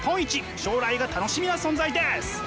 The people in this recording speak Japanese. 将来が楽しみな存在です！